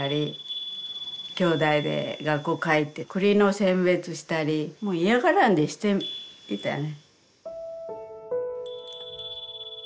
きょうだいで学校帰って栗の選別したりもう嫌がらんでしていたね。